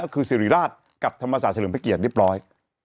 ก็คือสิริราชกับธรรมศาสตร์เฉลิมพระเกียรติเรียบร้อย